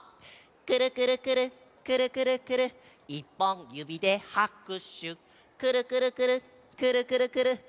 「くるくるくるっくるくるくるっいっぽんゆびではくしゅ」「くるくるくるっくるくるくるっ